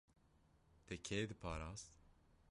Te kê diparast?